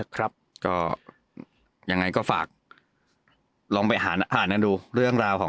ก็ยังไงก็ฝากลองไปหานะดูเรื่องราวของ